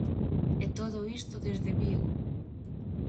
E todo isto desde Vigo...